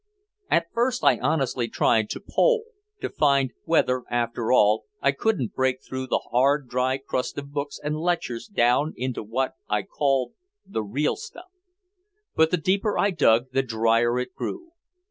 At first I honestly tried to "pole," to find whether, after all, I couldn't break through the hard dry crust of books and lectures down into what I called "the real stuff." But the deeper I dug the drier it grew.